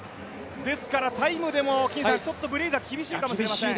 ですからタイムでもブレイザー厳しいかもしれません。